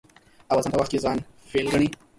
او د اذان په وخت کې ځان فيل گڼي.